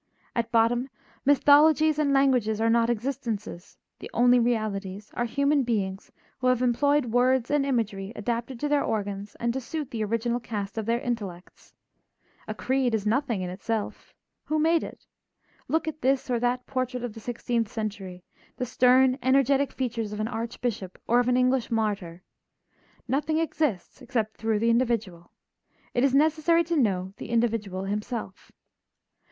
At bottom mythologies and languages are not existences; the only realities are human beings who have employed words and imagery adapted to their organs and to suit the original cast of their intellects. A creed is nothing in itself. Who made it? Look at this or that portrait of the sixteenth century, the stern, energetic features of an archbishop or of an English martyr. Nothing exists except through the individual; it is necessary to know the individual himself.